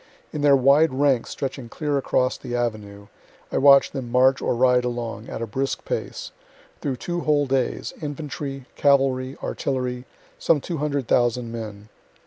In their wide ranks stretching clear across the Avenue, I watch them march or ride along, at a brisk pace, through two whole days infantry, cavalry, artillery some 200,000 men.